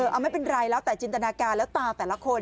เอาไม่เป็นไรแล้วแต่จินตนาการแล้วตาแต่ละคน